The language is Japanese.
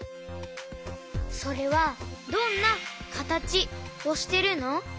それはどんなかたちをしてるの？